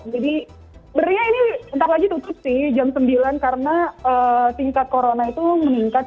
jadi sebenarnya ini nanti lagi tutup sih jam sembilan karena tingkat corona itu meningkat